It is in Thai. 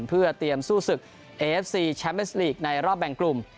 เพื่อเตรียมสู้ศึกเอฟซีแชมป์เอสลีกในรอบแบ่งกลุ่ม